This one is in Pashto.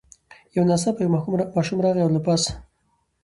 یو ناڅاپه یو ماشوم راغی له پاسه